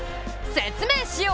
説明しよう。